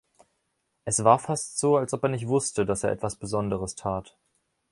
Es war fast so, als ob er nicht wusste, dass er etwas Besonderes tat.